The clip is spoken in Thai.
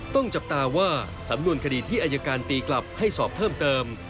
จับตาว่าสำนวนคดีที่อายการตีกลับให้สอบเพิ่มเติม